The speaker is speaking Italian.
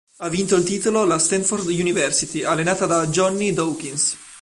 Ha vinto il titolo la Stanford University, allenata da Johnny Dawkins.